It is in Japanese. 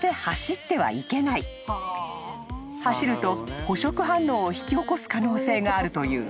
［走ると捕食反応を引き起こす可能性があるという］